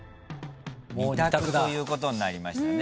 ２択ということになりましたね。